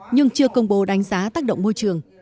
nhưng chưa công bố đánh giá tác động môi trường